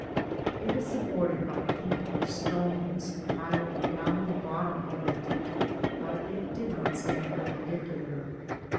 It was supported by a heap of stones piled round the bottom, but it did not stand perpendicular.